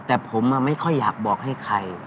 แต่ผมไม่ค่อยอยากบอกให้ใคร